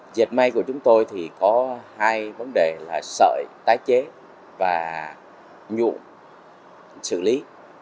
dệt may của chúng tôi thì có hai vấn đề là sợi tái chế và nhuộm xử lý